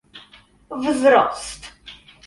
wzrost